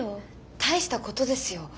大したことですよ。